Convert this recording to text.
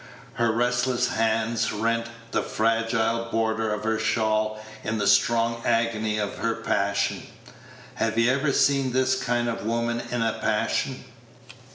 Her restless hands rent the fragile border of her shawl in the strong agony of her passion. Have you ever seen this kind of woman in a passion?